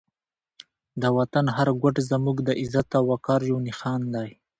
د وطن هر ګوټ زموږ د عزت او وقار یو نښان دی.